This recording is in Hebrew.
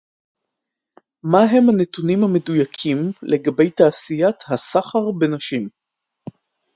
מה הם הנתונים המדויקים לגבי תעשיית הסחר בנשים